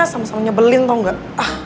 sama sama nyebelin tau nggak